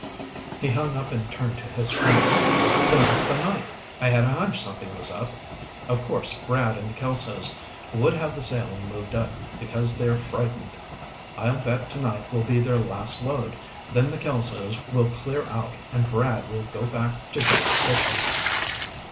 He hung up and turned to his friends. "Tonight's the night! I had a hunch something was up. Of course Brad and the Kelsos would have the sailing moved up, because they're frightened. I'll bet tonight will be their last load, then the Kelsos will clear out and Brad will go back to just fishing."